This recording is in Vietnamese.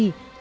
đã đạt được